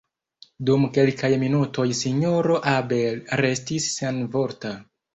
Dum kelkaj minutoj Sinjoro Abel restis senvorta.